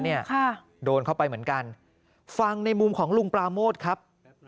เนี่ยค่ะโดนเข้าไปเหมือนกันฟังในมุมของลุงปราโมทครับ